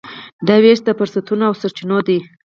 دا وېش د فرصتونو او سرچینو دی.